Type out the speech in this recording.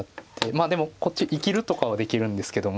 まあでもこっち生きるとかはできるんですけども。